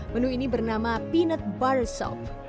menu ini bernama peanut bar soap